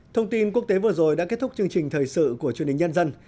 thông tin quốc tế vừa rồi đã kết thúc chương trình thời sự của chương trình nhân dân